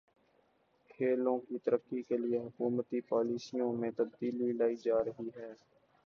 کھیلوں کی ترقی کے لیے حکومتی پالیسیوں میں تبدیلی لائی جا رہی ہے